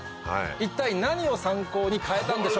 一体何を参考に変えたんでしょうか？